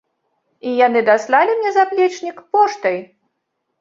І яны даслалі мне заплечнік поштай.